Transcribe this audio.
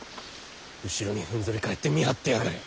後ろにふんぞり返って見張ってやがる。